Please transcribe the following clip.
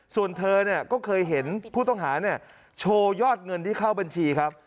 ส่วนเธอก็เคยเห็นผู้ต้องหาโชว์ยอดเงินที่เข้าบัญชีครับ